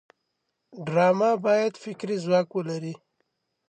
ډرامه باید فکري ځواک ولري